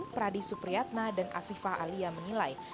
pradi supriyatna dan afifah alia menilai